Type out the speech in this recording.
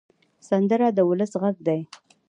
سندره د ولس غږ دی